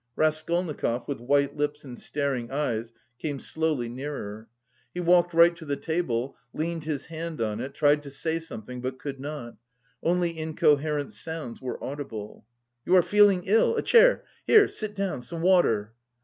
Raskolnikov, with white lips and staring eyes, came slowly nearer. He walked right to the table, leaned his hand on it, tried to say something, but could not; only incoherent sounds were audible. "You are feeling ill, a chair! Here, sit down! Some water!"